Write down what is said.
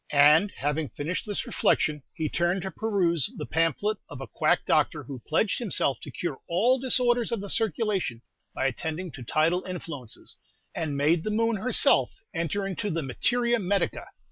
And having finished this reflection, he turned to peruse the pamphlet of a quack doctor who pledged himself to cure all disorders of the circulation by attending to tidal influences, and made the moon herself enter into the materia medica.